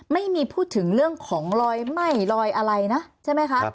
ไม่มีพูดถึงเรื่องของรอยไหม้รอยอะไรนะใช่ไหมคะ